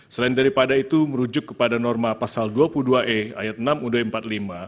selain daripada itu merujuk kepada norma pasal dua puluh dua e ayat enam ud empat puluh lima